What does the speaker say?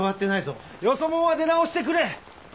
よそ者は出直してくれ。